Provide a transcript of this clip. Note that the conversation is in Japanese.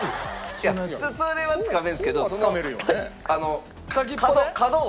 いやそれはつかめるんですけどその角を。